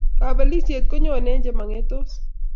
Kapelisiet konyoni eng chemangetos